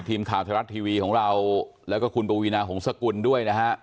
ที่ถามทะลัดทีวีของเราแล้วก็คุณปวีนาของสกุลด้วยนะฮะ